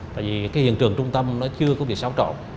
tại vì cái hiện trường trung tâm nó chưa có việc xáo trộn